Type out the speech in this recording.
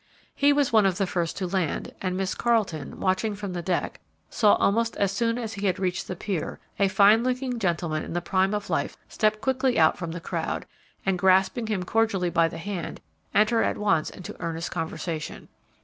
He was one of the first to land, and Miss Carleton, watching from the deck, saw, almost as soon as he had reached the pier, a fine looking gentleman in the prime of life step quickly out from, the crowd, and, grasping him cordially by the hand, enter at once into earnest conversation.